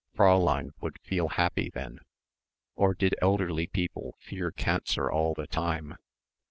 Fräulein would feel happy then ... or did elderly people fear cancer all the time....